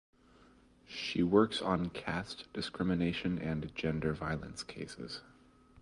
She works on caste discrimination and gender violence cases.